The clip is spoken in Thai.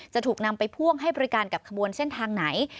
จะถูกนำไปพ่วงให้บริการกับขบวนเส้นทางไหน